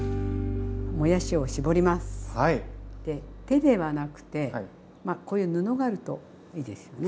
手ではなくてこういう布があるといいですよね。